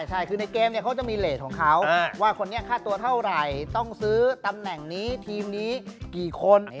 ใช่คือในเกมเขาจะมีเลสของเขาว่าคนนี้ค่าตัวเท่าไหร่ต้องซื้อตำแหน่งนี้ทีมนี้กี่คน